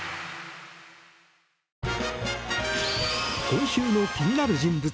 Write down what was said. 今週の気になる人物